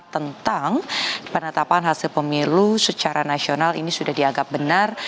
tentang penetapan hasil pemilu secara nasional ini sudah dianggap benar